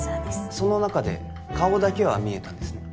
その中で顔だけは見えたんですね